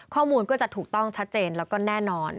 ข้อมูลก็จะถูกต้องชัดเจนแล้วก็แน่นอน